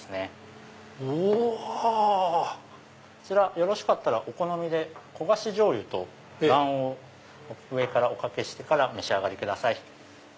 よろしかったらお好みで焦がしじょうゆと卵黄を上からおかけしてからお召し上がりください。